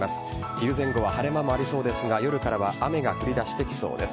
昼前後は晴れ間もありそうですが夜からは雨が降り出してきそうです。